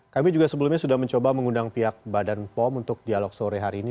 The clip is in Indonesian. kami juga sebelumnya sudah mencoba mengundang pihak badan pom untuk dialog sore hari ini